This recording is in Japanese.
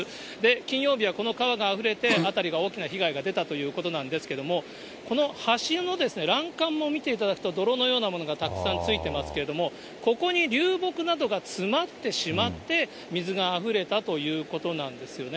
金曜日はこの川があふれて、辺りが大きな被害が出たということなんですけども、この橋のですね、欄干も見ていただくと、泥のようなものがたくさんついてますけれども、ここに流木などが詰まってしまって、水があふれたということなんですよね。